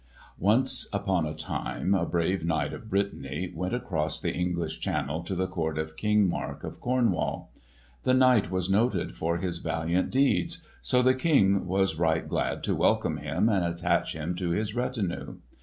Once upon a time a brave knight of Brittany went across the English Channel to the court of King Mark of Cornwall. The knight was noted for his valiant deeds, so the King was right glad to welcome him and attach him to his retinue.